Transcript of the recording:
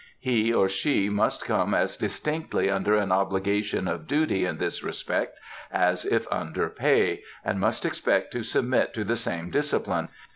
He or she must come as distinctly under an obligation of duty in this respect as if under pay, and must expect to submit to the same discipline....